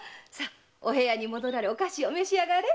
お部屋に戻られお菓子を召し上がれ。